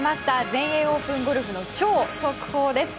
全英オープンゴルフの超速報です。